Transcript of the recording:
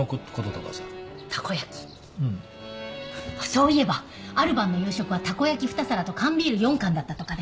そういえばある晩の夕食はたこ焼き２皿と缶ビール４缶だったとかで。